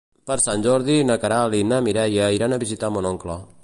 Per Sant Jordi na Queralt i na Mireia iran a visitar mon oncle.